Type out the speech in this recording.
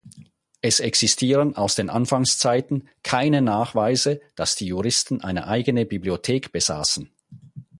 Es existieren aus den Anfangszeiten keine Nachweise, dass die Juristen eine eigene Bibliothek besaßen.